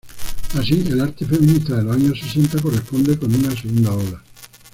Así el arte feminista de los años sesentas corresponde con una segunda ola.